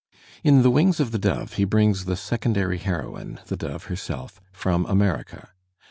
In "The Wings of the Dove'* he brings the secondary heroine, the dove herself, from America.